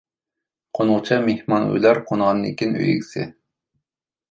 قونغۇچە مېھمان ئۇيىلار، قونغاندىن كېيىن ئۆي ئىگىسى.